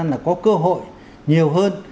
là có cơ hội nhiều hơn